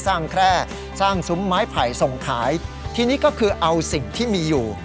แคร่สร้างซุ้มไม้ไผ่ส่งขายทีนี้ก็คือเอาสิ่งที่มีอยู่